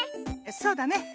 そうだね。